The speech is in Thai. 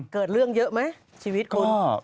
เกิดเรื่องเยอะไหมชีวิตคุณ